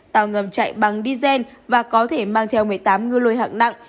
tàu ngầm chạy bằng diesel và có thể mang theo một mươi tám ngư lôi hạng nặng